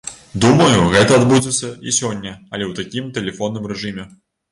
Думаю, гэта адбудзецца і сёння, але ў такім тэлефонным рэжыме.